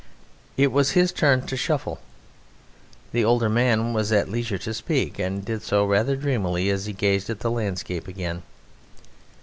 It was his turn to shuffle. The older man was at leisure to speak, and did so rather dreamily as he gazed at the landscape again.